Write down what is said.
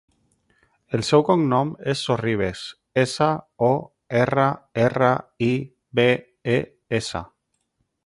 El seu cognom és Sorribes: essa, o, erra, erra, i, be, e, essa.